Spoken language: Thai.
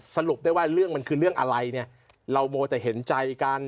สรุปได้ว่าเรื่องมันคือเรื่องอะไรเนี่ยเรามัวแต่เห็นใจกัน